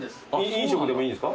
飲食でもいいんですか？